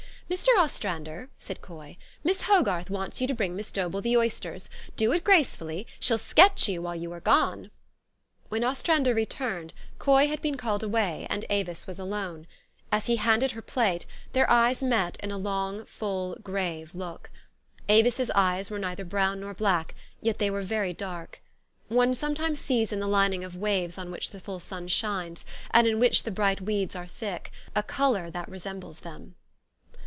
"Mr. Ostrander," said Coy, "Miss Hogarth wants you to bring Miss Dobell the oysters. Do it gracefully. She'll sketch ^ou while you are gone !" When Ostrander returned, Coy had been called THE STORY OF AVIS. 21 away, and Avis was alone. As he handed her plate, their eyes met in a long, full, grave look. Avis's eyes were neither brown nor black, yet they were very dark. One sometimes sees in the lining of waves on which the full sun shines, and in whiclr the bright weeds are thick, a color that resembles them.